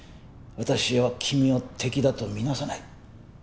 私は君を敵だと見なさない。